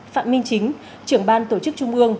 phạm minh chính trưởng ban tổ chức trung ương